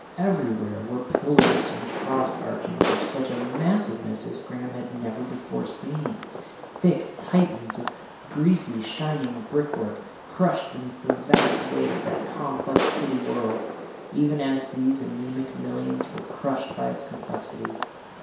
Everywhere were pillars and cross archings of such a massiveness as Graham had never before seen, thick Titans of greasy, shining brickwork crushed beneath the vast weight of that complex city world, even as these anemic millions were crushed by its complexity.